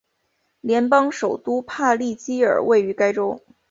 联邦首都帕利基尔位于该州。